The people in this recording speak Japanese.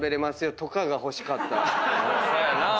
そうやなぁ。